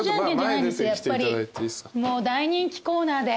やっぱりもう大人気コーナーで。